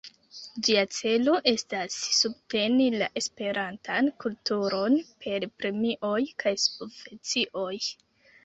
Ĝia celo estas subteni la esperantan kulturon per premioj kaj subvencioj.